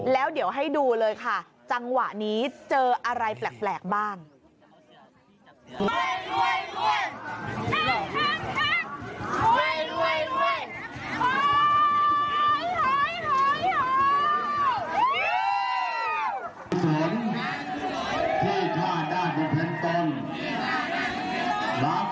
แล้วเดี๋ยวให้ดูเลยค่ะจังหวะนี้เจออะไรแปลกบ้าง